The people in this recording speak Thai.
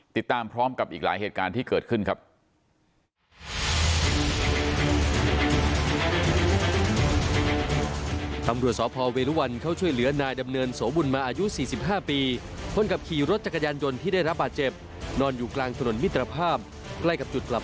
ติดตามพร้อมกับอีกหลายเหตุการณ์ที่เกิดขึ้นครับ